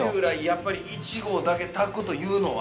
◆やっぱり１合だけ炊くというのは。